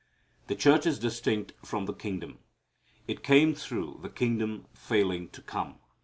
The church is distinct from the kingdom. It came through the kingdom failing to come.